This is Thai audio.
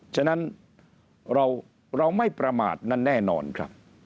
ฉะนั้นเราไม่ประมาทนั้นแน่นอนครับ